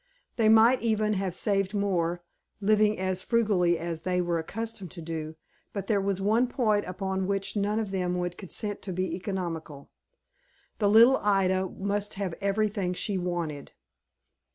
They might even have saved more, living as frugally as they were accustomed to do, but there was one point upon which none of them would consent to be economical. The little Ida must have everything she wanted.